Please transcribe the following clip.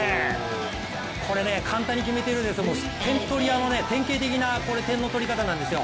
簡単に決めているようで点取り屋の典型的な点の取り方なんですよ。